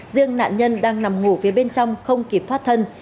riêng nạn nhân đang nằm ngủ phía bên trong không kịp thoát thân